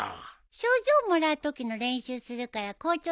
賞状もらうときの練習するから校長先生の役やって。